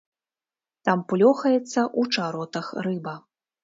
Там плёхаецца ў чаротах рыба.